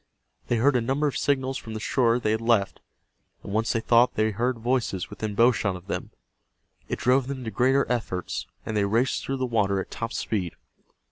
They heard a number of signals from the shore they had left, and once they thought they heard voices within bow shot of them. It drove them to greater efforts, and they raced through the water at top speed.